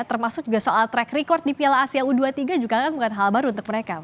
termasuk juga soal track record di piala asia u dua puluh tiga juga kan bukan hal baru untuk mereka